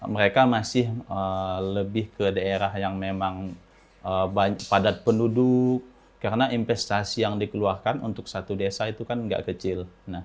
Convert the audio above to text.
mereka masih lebih ke daerah yang memang padat penduduk karena investasi yang dikeluarkan untuk satu desa itu kan tidak kecil